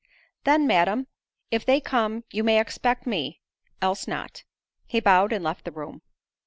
"Then, Madam, if they come, you may expect me—else not." He bowed and left the room.